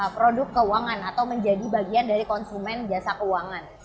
produk keuangan atau menjadi bagian dari konsumen jasa keuangan